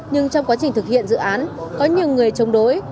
nhưng trong quá trình thực hiện dự án có nhiều người chống đối